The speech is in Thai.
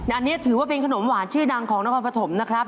อันนี้ถือว่าเป็นขนมหวานชื่อดังของนครปฐมนะครับ